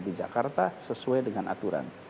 di jakarta sesuai dengan aturan